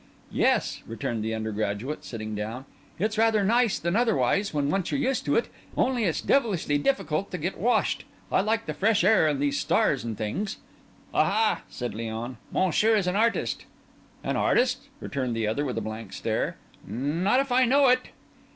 "Yes," returned the undergraduate, sitting down, "it's rather nice than otherwise when once you're used to it; only it's devilish difficult to get washed. I like the fresh air and these stars and things." "Aha!" said Léon, "Monsieur is an artist." "An artist?" returned the other, with a blank stare. "Not if I know it!"